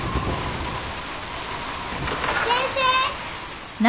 ・・先生！